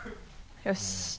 よし。